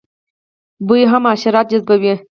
بوی هم حشرات جذبوي